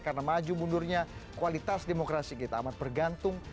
karena maju mundurnya kualitas demokrasi kita amat bergantung